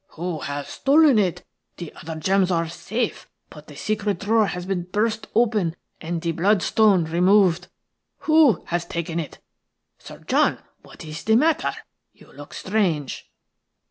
"Who has taken it? The other gems are safe, but the secret drawer has been burst open and the bloodstone removed. Who has taken it? Sir John, what is the matter? – You look strange."